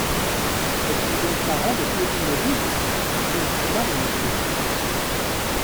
Êtes-vous donc parent de Claudine Lerouge ? Je suis son mari, monsieur.